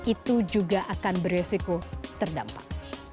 itu juga akan beresiko terdampak